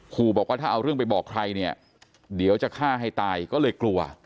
บอกว่าถ้าเอาเรื่องไปบอกใครเนี่ยเดี๋ยวจะฆ่าให้ตายก็เลยกลัว